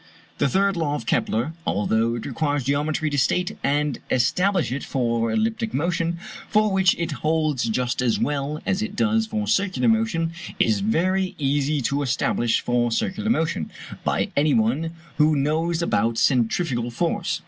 The third law of Kepler, although it requires geometry to state and establish it for elliptic motion (for which it holds just as well as it does for circular motion), is very easy to establish for circular motion, by any one who knows about centrifugal force.